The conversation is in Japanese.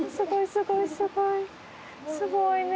すごいね。